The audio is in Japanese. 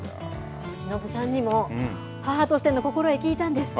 しのぶさんにも母としての心得聞いたんです。